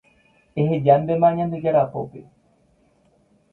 Ehejántema Ñandejára pópe